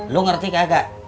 kau ngerti nggak